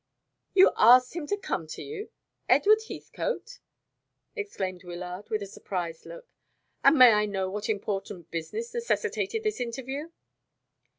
"You asked him to come to you Edward Heathcote!" exclaimed Wyllard, with a surprised look. "And may I know what important business necessitated this interview?"